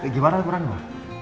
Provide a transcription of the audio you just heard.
gimana peran ma